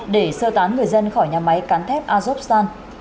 để sơ tán người dân khỏi nhà máy cán thép azoksan